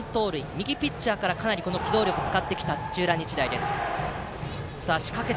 右ピッチャーからかなり機動力を使ってきた土浦日大です。